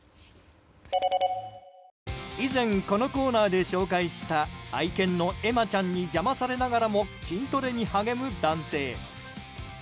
以前、このコーナーで紹介した愛犬のエマちゃんに邪魔されながらも筋トレに励む男性。